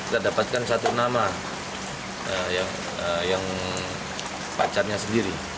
kita dapatkan satu nama yang pacarnya sendiri